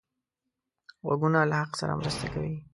غوږونه له حق سره مرسته کوي